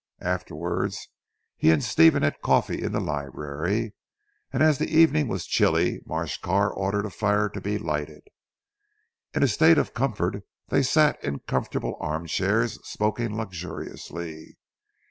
Afterwards he and Stephen had coffee in the library, and as the evening was chilly, Marsh Carr ordered a fire to be lighted. In a state of comfort they sat in comfortable arm chairs smoking luxuriously.